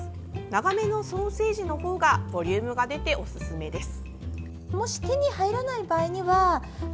長めのソーセージのほうがボリュームが出ておすすめです。